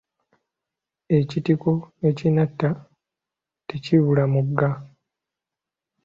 Ekitiko ekinatta, tekibula muga.